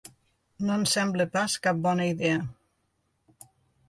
No ens sembla pas cap bona idea.